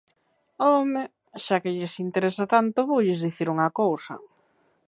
¡Home!, xa que lles interesa tanto, voulles dicir unha cousa.